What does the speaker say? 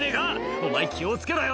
「お前気を付けろよ」